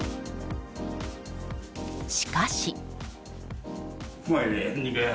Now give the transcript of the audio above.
しかし。